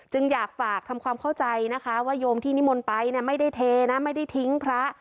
อยากฝากทำความเข้าใจนะคะว่าโยมที่นิมนต์ไปไม่ได้เทนะไม่ได้ทิ้งพระ